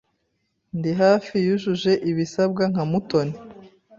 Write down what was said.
Ndi hafi yujuje ibisabwa nka Mutoni.